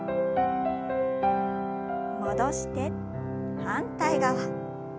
戻して反対側。